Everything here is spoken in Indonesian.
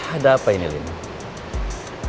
ada apa ini linda